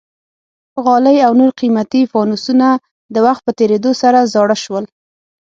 غالۍ او نور قیمتي فانوسونه د وخت په تېرېدو سره زاړه شول.